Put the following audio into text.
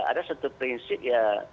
ada satu prinsip ya